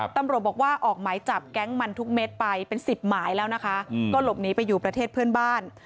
ตำรวจบอกว่าออกหมายจับแก๊งมันทุกเม็ดไปเป็นสิบหมายแล้วนะคะก็หลบหนีไปอยู่ประเทศเพื่อนบ้าน